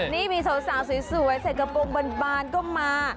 นี่มีสาวสวยใส่กระปุ่มบอลบานก็มา